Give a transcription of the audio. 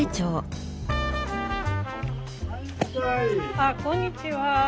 あこんにちは。